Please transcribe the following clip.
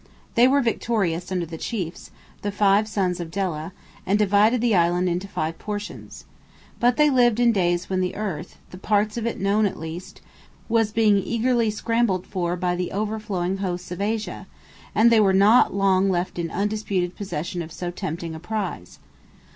They were victorious under their chiefs, the five sons of Dela, and divided the island into five portions. But they lived in days when the earth—the known parts of it at least—was being eagerly scrambled for by the overflowing hosts of Asia, and they were not long left in undisputed possession of so tempting a prize.